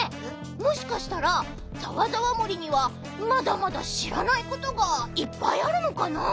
もしかしたらざわざわ森にはまだまだしらないことがいっぱいあるのかな？